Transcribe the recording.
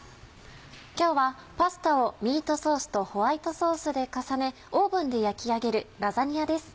今日はパスタをミートソースとホワイトソースで重ねオーブンで焼き上げる「ラザニア」です。